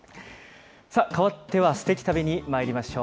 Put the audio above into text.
さあ、かわってはすてき旅にまいりましょう。